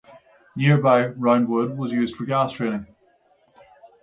Nearby Round Wood was used for gas training.